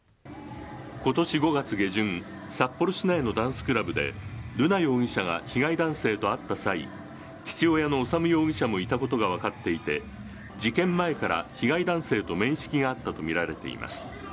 ことし５月下旬、札幌市内のダンスクラブで、瑠奈容疑者が被害男性と会った際、父親の修容疑者もいたことが分かっていて、事件前から被害男性と面識があったと見られています。